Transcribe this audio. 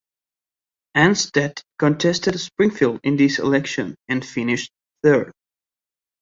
Anstett contested Springfield in this election, and finished third.